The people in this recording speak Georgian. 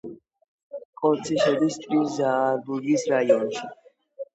კონცი შედის ტრირ-ზაარბურგის რაიონში.